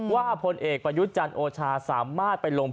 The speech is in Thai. ว่าผลเอกปรยุทธ์จันทร์โอชาสามารถ